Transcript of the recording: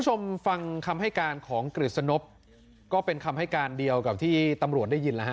ชมฟังคำให้การของกฤษณพก็เป็นคำให้การเดียวกับที่ตำรวจได้ยินแล้วฮะ